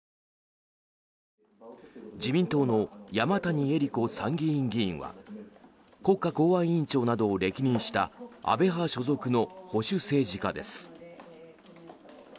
自民党の山谷えり子参議院議員は国家公安委員長などを歴任した安倍派所属の保守政治家です。